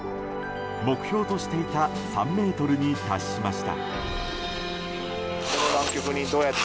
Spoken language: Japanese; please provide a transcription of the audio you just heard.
目標としていた３ｍに達しました。